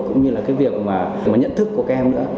cũng như là cái việc mà nhận thức của các em nữa